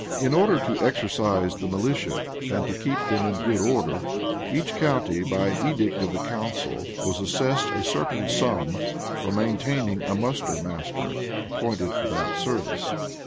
[] In order to exercise the militia, and to keep them in good order, each county, by an edict of the council, was assessed in a certain sum, for maintaining a muster master, appointed for that service.